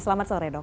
selamat sore dok